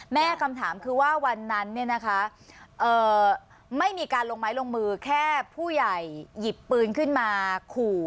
คำถามคือว่าวันนั้นไม่มีการลงไม้ลงมือแค่ผู้ใหญ่หยิบปืนขึ้นมาขู่